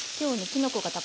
きのこがね